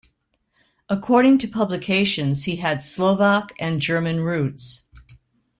According to publications, he had Slovak, and German roots.